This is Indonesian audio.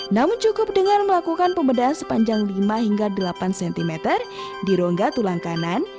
namun cukup dengan melakukan pembedahan sepanjang lima hingga delapan cm di rongga tulang kanan